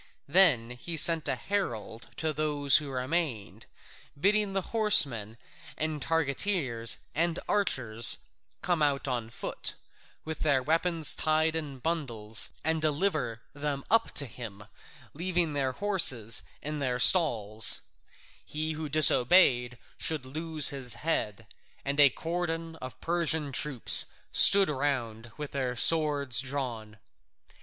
Then he sent a herald to those who remained, bidding the horsemen and targeteers and archers come out on foot, with their weapons tied in bundles, and deliver them up to him, leaving their horses in their stalls: he who disobeyed should lose his head, and a cordon of Persian troops stood round with their swords drawn.